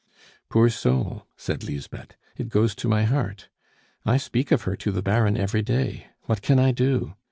'" "Poor soul!" said Lisbeth; "it goes to my heart. I speak of her to the Baron every day. What can I do?